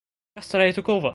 Castellet took over.